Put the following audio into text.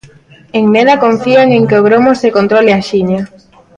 En Neda confían en que o gromo se controle axiña.